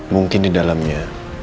mungkin di dalamnya